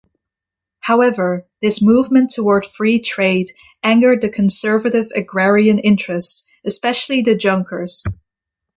However, this movement toward free trade angered the conservative agrarian interests, especially the Junkers.